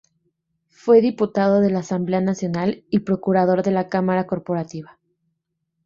Fue diputado de la Asamblea Nacional y procurador de la Cámara Corporativa.